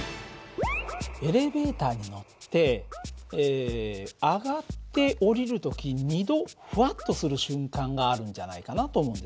エレベーターに乗って上がって下りる時２度ふわっとする瞬間があるんじゃないかなと思うんです。